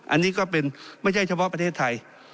อันนี้ก็เป็นไม่ใช่เฉพาะประเทศไทย